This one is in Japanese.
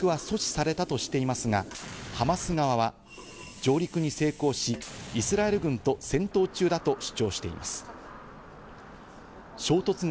上陸は阻止されたとしていますが、ハマス側は、上陸に成功し、イスラエル軍と戦闘中だと主張しています。